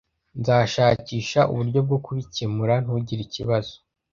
Nzashakisha uburyo bwo kubikemura. Ntugire ikibazo.